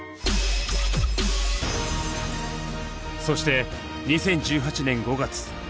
そして２０１８年５月。